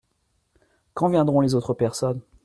Quand viendront les autres personnes ?